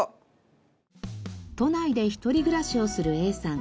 都内で一人暮らしをするＡさん。